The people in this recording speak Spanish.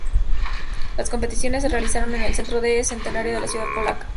Las competiciones se realizaron en el Centro del Centenario de la ciudad polaca.